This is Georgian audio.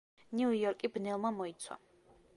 ნიუ-იორკი ბნელმა მოიცვა.